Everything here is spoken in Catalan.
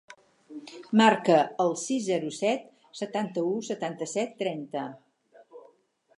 Marca el sis, zero, set, setanta-u, setanta-set, trenta.